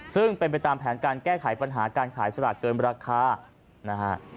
ซึ่งเป็นไปตามแผนการแก้ไขปัญหาการขายสลากเกินราคานะฮะ